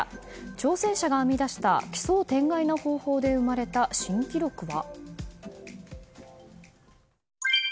挑戦者が編み出した、奇想天外な方法で生まれた新記録は？